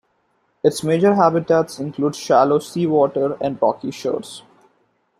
Its major habitats include shallow seawater and rocky shores.